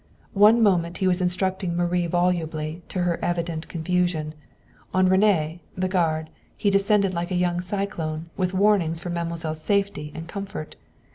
One moment he was instructing Marie volubly, to her evident confusion. On René, the guard, he descended like a young cyclone, with warnings for mademoiselle's safety and comfort.